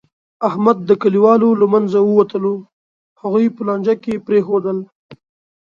احمد د کلیوالو له منځه ووتلو، هغوی په لانجه کې پرېښودل.